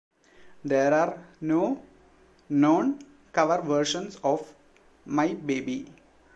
There are no known cover versions of "My Baby".